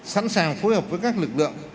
sẵn sàng phối hợp với các lực lượng